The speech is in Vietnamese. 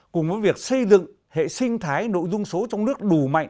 cùng với việc xây dựng hệ sinh thái nội dung số trong nước đủ mạnh